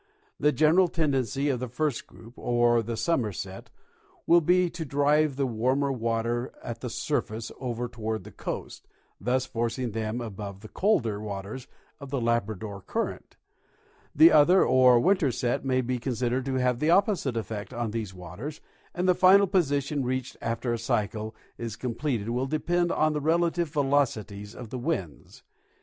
The general tendency of the first group, or the summer set, will be to drive the warmer waters at the sur face over toward the coast, thus forcing them above the colder waters of the Labrador current. The other, or winter set, may be considered to have the opposite effect on these waters, and the final position reached after a cycle is completed will depend on the relative velocities of the winds.